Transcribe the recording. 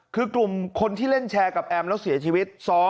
คือกลุ่มคนที่เล่นแชร์กับแอมแล้วเสียชีวิต